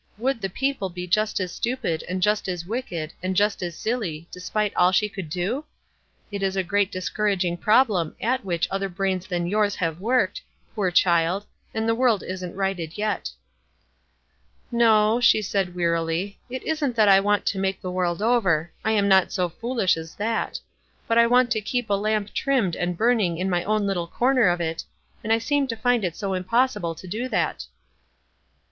Would the people be just as stupid, and just as wicked, and just as silly, despite all she could do? It is a great discouraging problem at which other brains than yours have worked, poor child, and the world isn't righted yet." " No," she said wearily. "It isn't that I want to make the world over. I am not so foolish as that ; but I want to keep a lamp trimmed and burning in my own little corner of it, and I seem to find it so impossible to do that." Mr.